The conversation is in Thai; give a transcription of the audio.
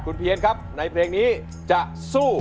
สำหรับเพลงนี้จะสู้